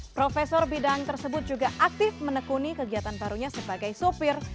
profesor bidang tersebut juga aktif menekuni kegiatan barunya sebagai sopir